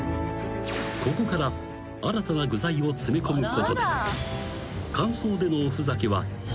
［ここから新たな具材を詰め込むことで］